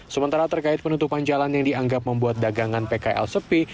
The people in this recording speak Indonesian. sementara terkait penutupan jalan yang dianggap membuat dagangan pkl sepi